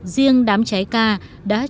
riêng đám cháy ca đã trở lại trong vùng đất lombok